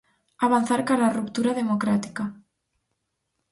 Avanzar cara á ruptura democrática.